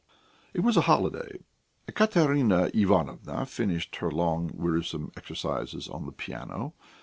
It was a holiday. Ekaterina Ivanovna finished her long, wearisome exercises on the piano.